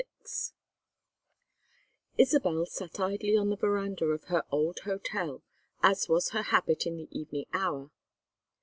XXVI Isabel sat idly on the veranda of her old hotel as was her habit in the evening hour.